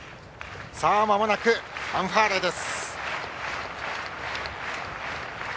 まもなくファンファーレです。